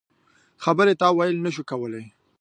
خبرې تاویل نه شو کولای.